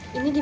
lalu ada ido